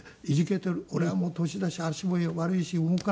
「俺はもう年だし足も悪いし動かないよ」